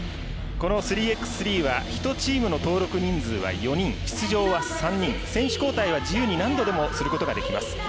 ３ｘ３は１チームの登録人数は４人出場は３人、選手交代は自由に何度でもすることができます。